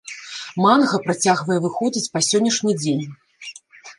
Манга працягвае выходзіць па сённяшні дзень.